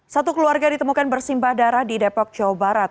satu keluarga ditemukan bersimbah darah di depok jawa barat